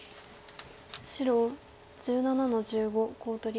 白１７の十五コウ取り。